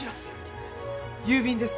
郵便です。